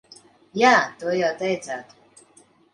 Jā, to jau teicāt.